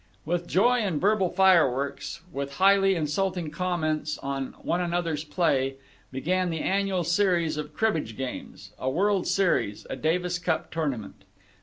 With joy and verbal fireworks, with highly insulting comments on one another's play, began the annual series of cribbage games a world's series, a Davis cup tournament.